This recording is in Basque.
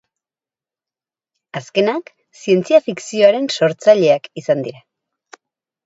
Azkenak zientzia-fikzioaren sortzaileak izan dira.